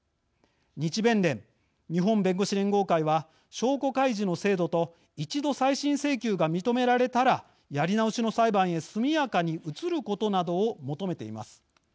日弁連＝日本弁護士連合会は証拠開示の制度と一度、再審請求が認められたらやり直しの裁判へ速やかに移ることなどを求めています。